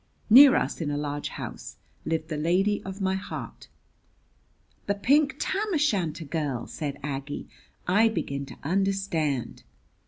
Near us, in a large house, lived the lady of my heart." "The pink tam o' shanter girl!" said Aggie. "I begin to understand."